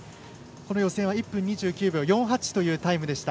予選は１分２９秒４８というタイムでした。